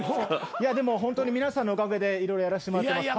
でもホントに皆さんのおかげで色々やらしてもらってます。